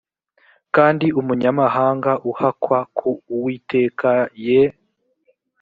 kandi umunyamahanga uhakwa ku uwiteka ye